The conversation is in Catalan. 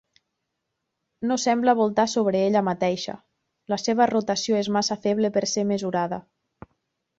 No sembla voltar sobre ella mateixa, la seva rotació és massa feble per ser mesurada.